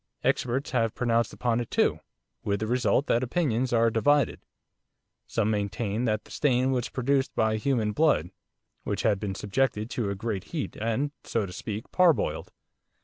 Experts have pronounced upon it too, with the result that opinions are divided. Some maintain that the stain was produced by human blood, which had been subjected to a great heat, and, so to speak, parboiled.